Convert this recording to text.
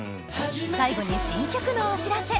最後に新曲のお知らせ